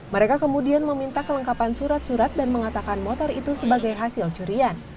mereka kemudian meminta kelengkapan surat surat dan mengatakan motor itu sebagai hasil curian